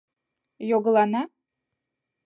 Йогылана?